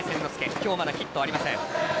今日まだヒットありません。